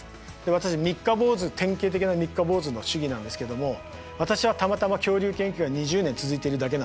私三日坊主典型的な三日坊主の主義なんですけども私はたまたま恐竜研究が２０年続いているだけなんです。